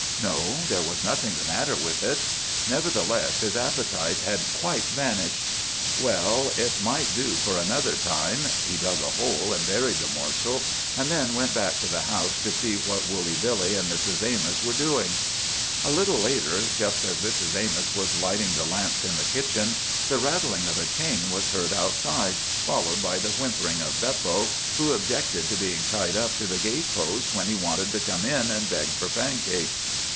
No, there was nothing the matter with it. Nevertheless, his appetite had quite vanished. Well, it would do for another time. He dug a hole and buried the morsel, and then went back to the house to see what Woolly Billy and Mrs. Amos were doing. A little later, just as Mrs. Amos was lighting the lamps in the kitchen, the rattling of a chain was heard outside, followed by the whimpering of Beppo, who objected to being tied up to the gate post when he wanted to come in and beg for pancakes.